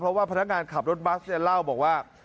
เพราะว่าพนักงานขับรถบัสเนี่ยเล่าบอกว่า